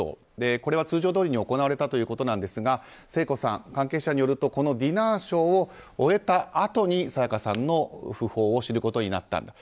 これは通常どおりに行われたということですが聖子さん、関係者によるとこのディナーショーを終えたあとに、沙也加さんの訃報を知ることになったんだと。